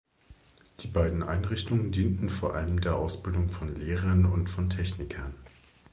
Die beiden Einrichtungen dienten vor allem der Ausbildung von Lehrern und von Technikern.